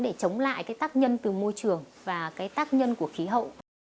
để chống lại cái tác nhân từ môi trường và cái tác nhân của khí hậu